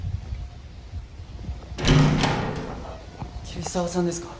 桐沢さんですか？